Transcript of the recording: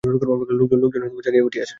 লোকজন জাগিয়া উঠিয়াছে।